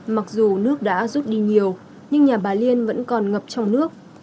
mặc dù nước đã rút đi nhiều nhưng nhà bà liên vẫn còn ngập trong nước